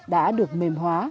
đã được mềm hóa